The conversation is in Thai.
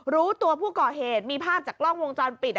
รู้ตัวผู้ก่อเหตุมีภาพจากกล้องวงจรปิด